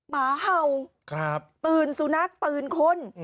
หมาเห่าตื่นสุนัขตื่นคน